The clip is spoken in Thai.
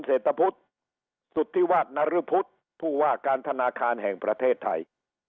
เศรษฐพุทธสุธิวาสนรพุทธผู้ว่าการธนาคารแห่งประเทศไทย